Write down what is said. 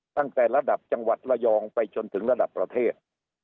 ตั้งแต่ระดับจังหวัดระยองไปจนถึงระดับประเทศ